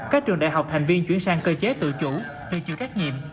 các trường đại học thành viên chuyển sang cơ chế tự chủ tự chủ các nhiệm